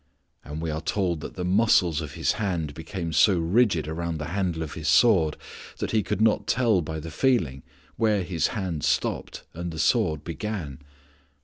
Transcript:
And we are told that the muscles of his hand became so rigid around the handle of his sword that he could not tell by the feeling where his hand stopped, and the sword began.